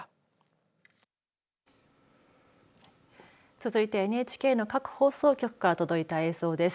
続いて、ＮＨＫの各放送局から届いた映像です。